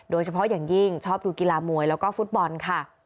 โดยเฉพาะอย่างยิ่งชอบดูกีฬามวยแล้วก็ฟุตบอลค่ะ